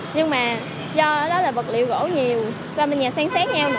nhưng mà do đó là vật liệu gỗ nhiều do bên nhà sang sát nhau